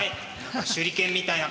手裏剣みたいな感じで。